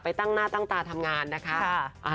ตั้งหน้าตั้งตาทำงานนะคะ